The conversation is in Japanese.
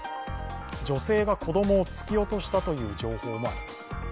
女性が子供を突き落としたという情報もあります。